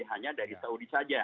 hanya dari saudi saja